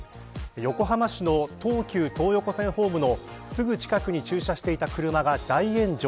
横浜市の東急東横線ホームのすぐ近くに駐車していた車が大炎上。